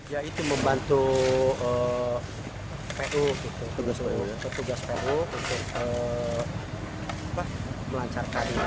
ya itu membantu pu petugas pu untuk melancarkan ini